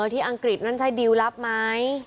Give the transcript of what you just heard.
อังกฤษนั่นใช่ดิวลลับไหม